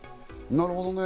なるほどね。